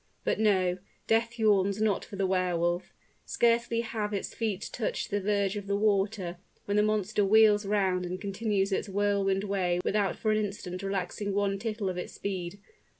But no: death yawns not for the Wehr Wolf! Scarcely have its feet touched the verge of the water, when the monster wheels round and continues its whirlwind way without for an instant relaxing one tittle of its speed.